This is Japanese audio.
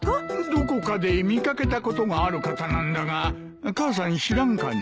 どこかで見掛けたことがある方なんだが母さん知らんかね。